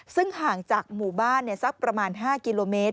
ซึ่งห่างจากหมู่บ้านสักประมาณ๕กิโลเมตร